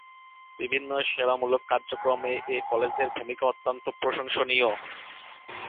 বিভিন্ন সেবামূলক কার্যক্রমে এ কলেজের ভূমিকা অত্যন্ত প্রশংসনীয়।